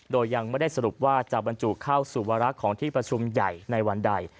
โดยยังไม่ได้สรุปว่าจะบรรจุเข้าสู่วาระของที่ประชุมใหญ่ในวันใด